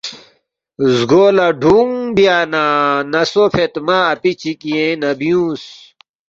زگو لہ ڈوُنگ ڈوُنگ بیا نہ نسو فیدمہ اپی چِک یینگ نہ بیُونگس